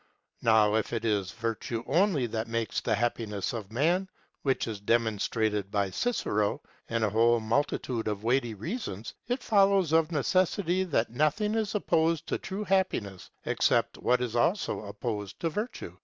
Now if it is Virtue only that makes the happiness of man, which is demonstrated by Cicero and a whole multitude of weighty reasons, it follows of necessity that nothing is opposed to true happiness except what is also opposed to Virtue.